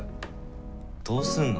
どうすんの？